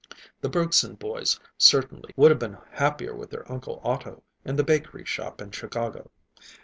The Bergson boys, certainly, would have been happier with their uncle Otto, in the bakery shop in Chicago.